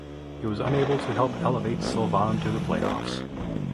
He was unable to help elevate Slovan to the playoffs.